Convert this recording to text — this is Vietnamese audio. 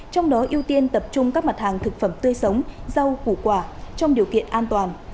trong đó ưu tiên tập trung các mặt hàng thực phẩm tươi sống rau củ quả trong điều kiện an toàn